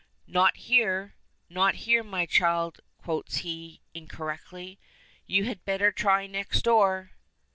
"Not here. Not here, my child," quotes he, incorrectly. "You had better try next door."